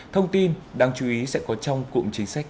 thông tin đáng chú ý sẽ có trong cụm chính sách